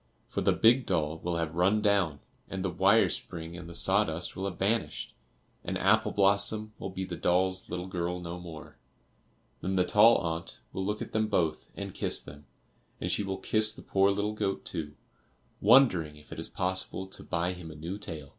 For the big doll will have run down, and the wire spring and the sawdust will have vanished, and Apple blossom will be the doll's little girl no more. Then the tall aunt will look at them both and kiss them; and she will kiss the poor little goat too, wondering if it is possible to buy him a new tail.